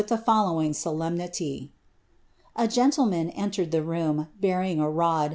Ui the following solemnity :"— "A gentleman entered the room, hesrin^ a rod.